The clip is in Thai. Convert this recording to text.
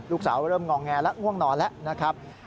ลูกสาวเริ่มงองแงแล้วห่วงนอนแล้วนะครับ